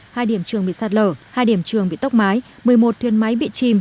hai điểm trường bị sạt lở hai điểm trường bị tốc mái một mươi một thuyền máy bị chìm